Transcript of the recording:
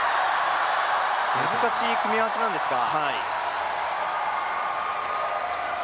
難しい組み合わせなんですが。